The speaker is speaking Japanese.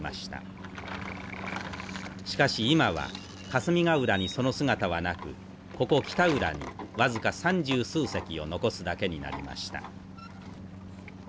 しかし今は霞ヶ浦にその姿はなくここ北浦に僅か三十数隻を残すだけになりました。